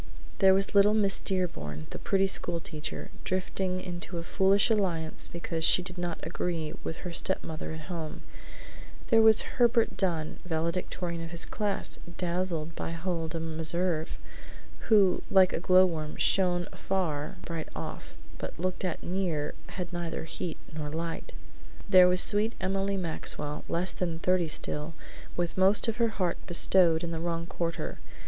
There was little Miss Dearborn, the pretty school teacher, drifting into a foolish alliance because she did not agree with her stepmother at home; there was Herbert Dunn, valedictorian of his class, dazzled by Huldah Meserve, who like a glowworm "shone afar off bright, but looked at near, had neither heat nor light." There was sweet Emily Maxwell, less than thirty still, with most of her heart bestowed in the wrong quarter.